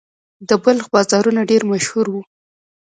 د بلخ بازارونه ډیر مشهور وو